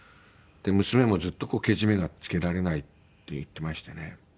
娘もずっと「けじめがつけられない」って言ってましてね。